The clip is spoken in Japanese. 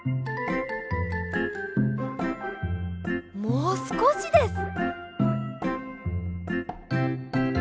もうすこしです！